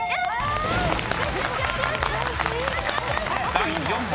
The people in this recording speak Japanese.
［第４問］